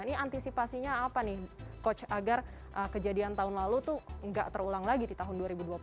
ini antisipasinya apa nih coach agar kejadian tahun lalu tuh nggak terulang lagi di tahun dua ribu dua puluh